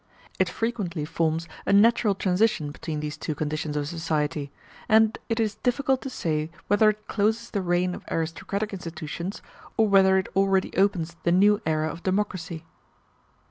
It frequently forms a natural transition between these two conditions of society, and it is difficult to say whether it closes the reign of aristocratic institutions, or whether it already opens the new era of democracy.